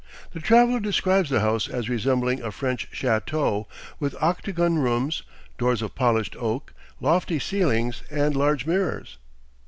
The traveler describes the house as resembling a French château, with octagon rooms, doors of polished oak, lofty ceilings, and large mirrors.